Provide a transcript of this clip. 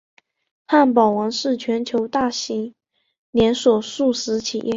汉堡王是全球大型连锁速食企业。